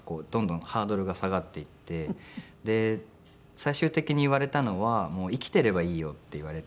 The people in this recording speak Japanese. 最終的に言われたのは「生きてればいいよ」って言われて。